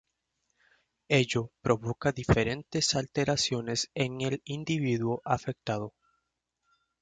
Ello provoca diferentes alteraciones en el individuo afectado.